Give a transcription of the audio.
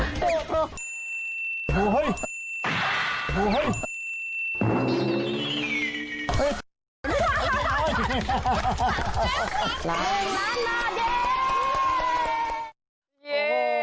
นั่นมาเย้